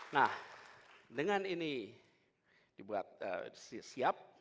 nah dengan ini dibuat siap